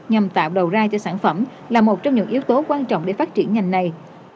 nhằm tạo đầu ra cho sản phẩm là một trong những yếu tố quan trọng để phát triển ngành này